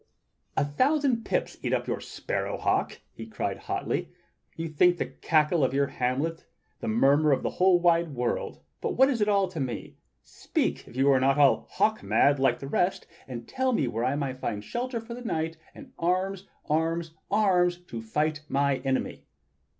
"A thousand pips eat up your sparrow hawk!" he cried hotly. "You think the cackle of your hamlet the murmur of the whole wide world! But what is it all to me? Speak, if you are not hawk mad like the rest, and tell me where I may find shelter for the night and arms, arms, arms to fight my enemy!"